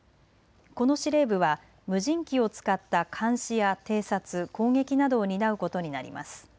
この司令部は無人機を使った監視や偵察、攻撃などを担うことになります。